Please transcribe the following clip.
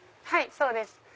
はいそうです。